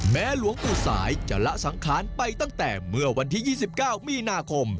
หลวงปู่สายจะละสังขารไปตั้งแต่เมื่อวันที่๒๙มีนาคม